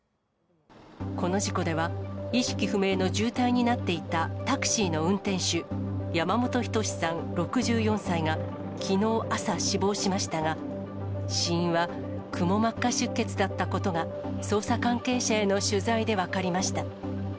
この事故では、意識不明の重体になっていたタクシーの運転手、山本斉さん６４歳が、きのう朝、死亡しましたが、死因はくも膜下出血だったことが、捜査関係者への取材で分かりました。